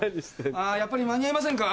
あぁやっぱり間に合いませんか？